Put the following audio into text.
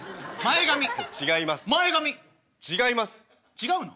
違うの？